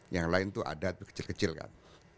yang lain tuh ada kecil kecil kan